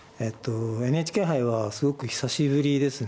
ＮＨＫ杯はすごく久しぶりですね。